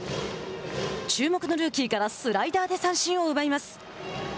注目のルーキーからスライダーで三振を奪います。